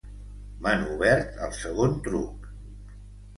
M'han obert al segon truc.